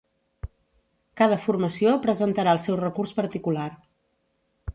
Cada formació presentarà el seu recurs particular.